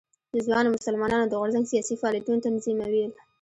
د ځوانو مسلمانانو د غورځنګ سیاسي فعالیتونه تنظیمول.